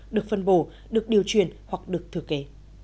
được phân bổ được điều chuyển hoặc được thừa kế